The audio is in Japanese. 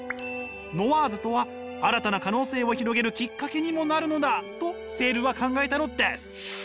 ノワーズとは新たな可能性を広げるきっかけにもなるのだとセールは考えたのです！